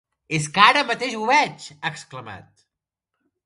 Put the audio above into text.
És que ara mateix ho veig!, ha exclamat.